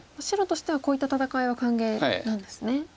白としてはこういった戦いは歓迎なんですね。